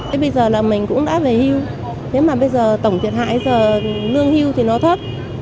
thế bây giờ là mình cũng đã về hưu thế mà bây giờ tổng thiệt hại giờ lương hưu thì nó thấp